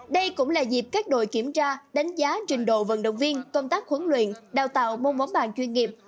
đây cũng là dịp các đội kiểm tra đánh giá trình độ vận động viên công tác huấn luyện đào tạo môn bóng bàn chuyên nghiệp